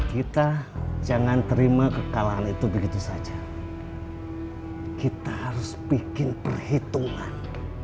kita jangan terima kekalahan itu begitu saja kita harus bikin perhitungan